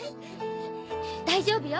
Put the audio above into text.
大丈夫よ